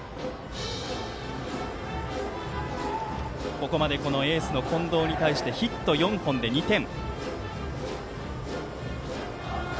ここまでエースの近藤に対してヒット４本で２点。